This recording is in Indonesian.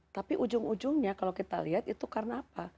tapi ujung ujungnya kalau kita lihat itu karena apa